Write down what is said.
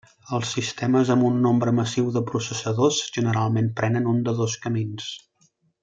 Els sistemes amb un nombre massiu de processadors generalment prenen un de dos camins.